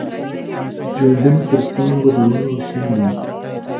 ژوندون پر څانګو د ونو شین دی